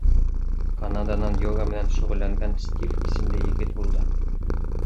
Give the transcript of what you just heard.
Канаданан йога менән шөғөлләнгән Стив исемле егет булды.